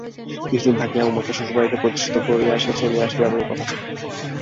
কিছুদিন থাকিয়া উমাকে শ্বশুরবাড়িতে প্রতিষ্ঠিত করিয়া সে চলিয়া আসিবে এমনি কথা ছিল।